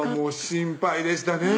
心配でしたね